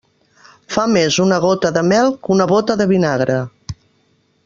Fa més una gota de mel que una bóta de vinagre.